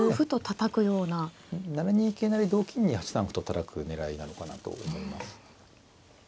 ７二桂成同金に８三歩とたたく狙いなのかなと思います。